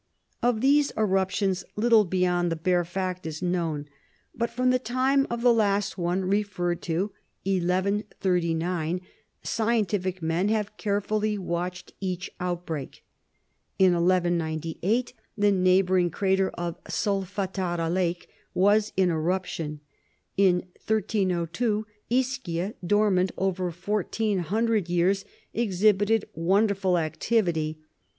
Of these eruptions, little beyond the bare fact is known. But from the time of the last one referred to, 1139, scientific men have carefully watched each outbreak. In 1198, the neighboring crater of Solfatara Lake was in eruption; in 1302, Ischia, dormant over fourteen hundred years, exhibited wonderful activity.